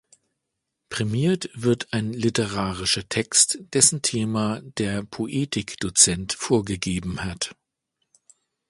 Prämiert wird ein literarischer Text, dessen Thema der Poetik-Dozent vorgegeben hat.